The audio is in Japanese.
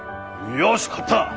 よし買った！